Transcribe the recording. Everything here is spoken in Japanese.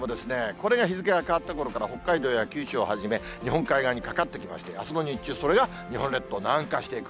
これが日付が変わったころから北海道や九州をはじめ、日本海側にかかってきまして、あすの日中、それが日本列島、南下していく。